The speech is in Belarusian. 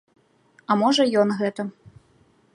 А можа ён гэта.